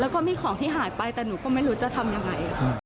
แล้วก็มีของที่หายไปแต่หนูก็ไม่รู้จะทำยังไง